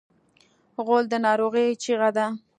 غول د ناروغۍ چیغه ده.